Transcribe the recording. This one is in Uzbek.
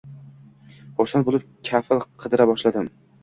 Xursand bo‘lib kafil qidira boshladim.